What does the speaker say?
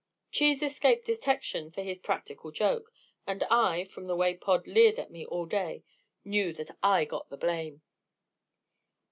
Cheese escaped detection for his practical joke, and I, from the way Pod leered at me all day, knew that I got all the blame.